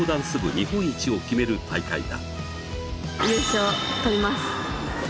日本一を決める大会だ。